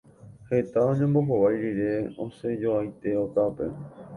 Heta oñombohovái rire, osẽjoaite okápe.